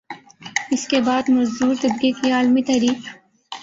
اسکے بعد مزدور طبقے کی عالمی تحریک